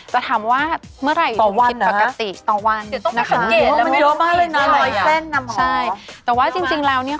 จะทำว่าเมื่อไหร่ผิดปกติต่อวันนะคะนี่มันเยอะมากเลยนะอะไรอะใช่แต่ว่าจริงเราเนี่ย